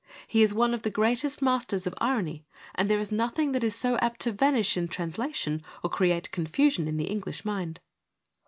He is one of the greatest masters of irony and there is nothing that is so apt to vanish in translation, or create confusion in the English mind.